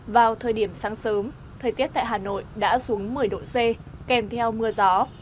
vào thời điểm sáng sớm thời tiết tại hà nội đã xuống một mươi độ c kèm theo mưa gió